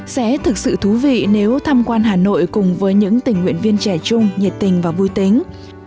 sẽ thực sự thú vị nếu tham quan hà nội cùng với những tình nguyện viên trẻ chung nhiệt tình và vui tính